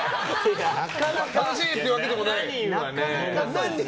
楽しいというわけではない。